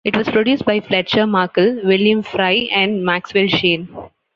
It was produced by Fletcher Markle, William Frye, and Maxwell Shane.